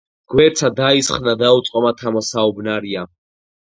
გვერდსა დაისხნა, დაუწყო მათ ამო საუბნარია.